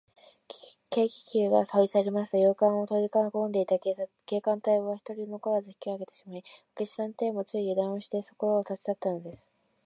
軽気球がとびさりますと、洋館をとりかこんでいた警官隊は、ひとり残らず引きあげてしまいました。明智探偵も、ついゆだんをして、そこを立ちさったのです。